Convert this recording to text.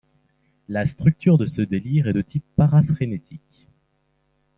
La structure de ce délire est de type paraphrénique.